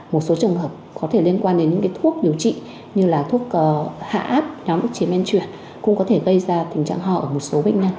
một số trường hợp có thể liên quan đến những thuốc điều trị như là thuốc hạ áp nhóm chế men truyền cũng có thể gây ra tình trạng ho ở một số bệnh nhân